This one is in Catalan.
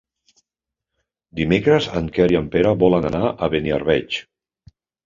Dimecres en Quer i en Pere volen anar a Beniarbeig.